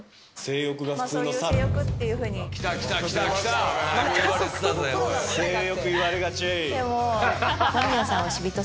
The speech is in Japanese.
性欲が普通の猿？